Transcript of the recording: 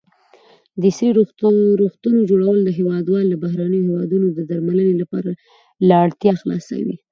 د عصري روغتونو جوړول هېوادوال له بهرنیو هېوادونو د درملنې لپاره له اړتیا خلاصوي.